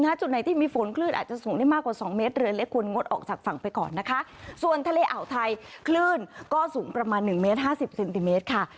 ไปก่อนนะคะส่วนทะเลอ่อไทยขึ้นก็สูงประมาณนึงเมตรห้าสิบเซนติเมตรค่ะ